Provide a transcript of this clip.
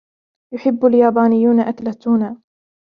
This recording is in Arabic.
يحبّ اليابانيّون أكل التونا.